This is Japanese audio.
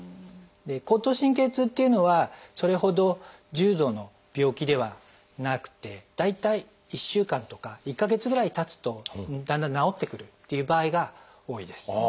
後頭神経痛っていうのはそれほど重度の病気ではなくて大体１週間とか１か月ぐらいたつとだんだん治ってくるっていう場合が多いです。